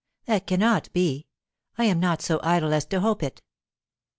That cannot be; I am not so idle as to hope it.